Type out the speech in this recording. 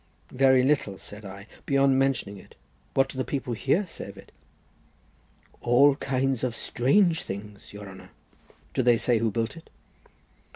"Very little," said I, "beyond mentioning it; what do the people here say of it?" "All kinds of strange things, your honour." "Do they say who built it?"